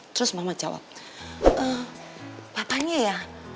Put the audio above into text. terus mama jawab papanya ya